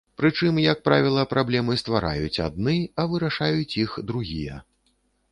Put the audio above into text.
Прычым, як правіла, праблемы ствараюць адны, а вырашаюць іх другія.